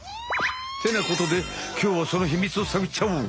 ってなことできょうはそのひみつをさぐっちゃおう。